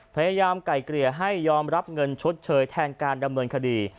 พยายามไก่เกลี่ยให้ยอมรับเงินชดเชยแทนการดำเนินคดี